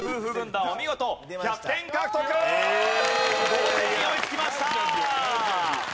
同点に追いつきました。